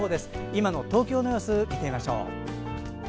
今の東京の様子を見てみましょう。